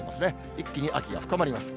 一気に秋が深まります。